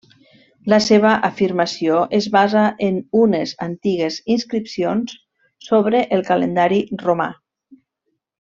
La seva afirmació es basa en unes antigues inscripcions sobre el calendari romà.